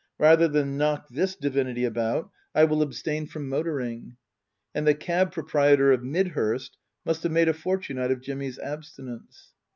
Rather than knock this divinity about I will abstain from motor ing." And the cab proprietor of Midhurst must have made a fortune out of Jimmy's abstinence.